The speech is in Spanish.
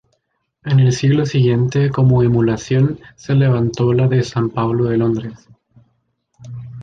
En el siglo siguiente, como emulación, se levantó la de San Pablo de Londres.